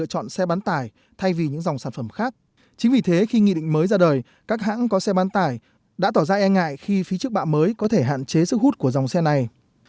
chính vì thế khi nghị định mới ra đời các hãng có xe bán tải đã tỏ ra e ngại khi phí chức bạ mới có thể hạn chế sức hút của dòng xe này